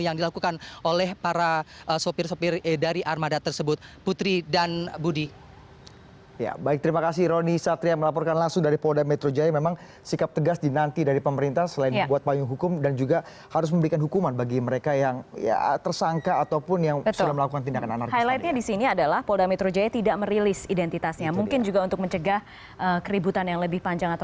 yang dilakukan oleh para supir supir dari armada tersebut putri dan budi